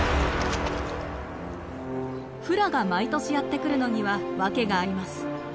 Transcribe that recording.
フラが毎年やって来るのには訳があります。